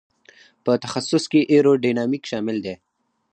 په تخصص کې ایرو ډینامیک شامل دی.